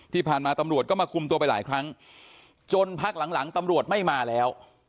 ที่ผ่านมาตำรวจก็มาคุมตัวไปหลายครั้งจนพักหลังหลังตำรวจไม่มาแล้ว